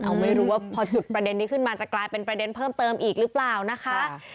เอาไม่รู้ว่าพอจุดประเด็นนี้ขึ้นมาจะกลายเป็นประเด็นเพิ่มเติมอีกหรือเปล่านะคะ